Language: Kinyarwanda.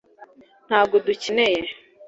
ntabwo udukeneye